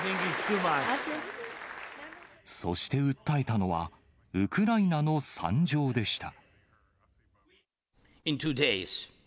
そして訴えたのは、ウクライナの惨状でした。